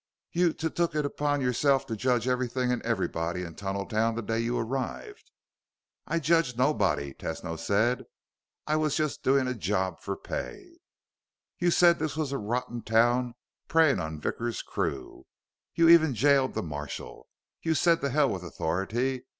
"You t took it on yourself to judge everything and everybody in Tunneltown the day you arrived." "I judged nobody," Tesno said. "I was just doing a job for pay." "You said this was a rotten town preying on Vickers' c crew. You even jailed the marshal. You said the hell with authority.